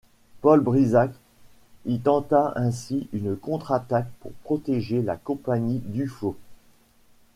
Paul Brisac y tenta ainsi une contre-attaque pour protéger la Compagnie Duffau.